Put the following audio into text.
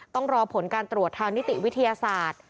ต้องรอผลการตรวจทางนิติวิทยาศาสตร์